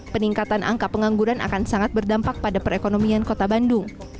peningkatan angka pengangguran akan sangat berdampak pada perekonomian kota bandung